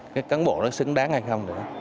cái cán bộ nó xứng đáng hay không đó